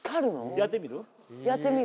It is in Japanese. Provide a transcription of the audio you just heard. やってみる？